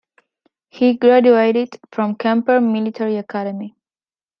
He graduated from Kemper Military Academy.